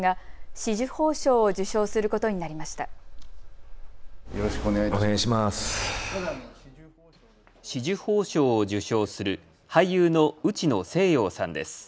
紫綬褒章を受章する俳優の内野聖陽さんです。